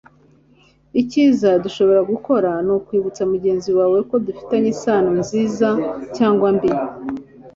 icyiza dushobora gukora ni ukwibutsa mugenzi wawe ko dufitanye isano nziza cyangwa mbi